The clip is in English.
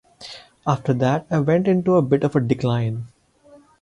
After that I went into a bit of a decline.